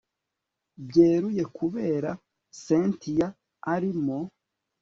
byeruye kubera cyntia arimo